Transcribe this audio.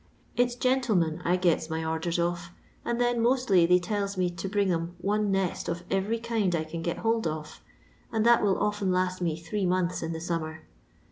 It 's gentlemen I geto my orders of, and then mostly they tells me to bring 'em one nest of every kind I can get hold of, and that will often last me three months in the summer.